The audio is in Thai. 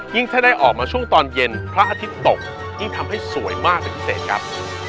ถ้าได้ออกมาช่วงตอนเย็นพระอาทิตย์ตกยิ่งทำให้สวยมากเป็นพิเศษครับ